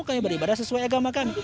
kau beribadah sesuai agamamu